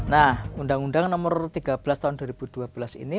nah undang undang nomor tiga belas tahun dua ribu dua belas ini